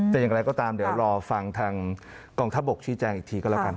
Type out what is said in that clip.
จะยังไงก็ตามเดี๋ยวรอฟังทางกองทบกชื่อแจงอีกทีก็แล้วกัน